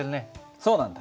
そうなんだ。